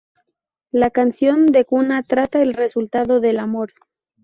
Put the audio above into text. La canción de cuna trata el resultado del amor.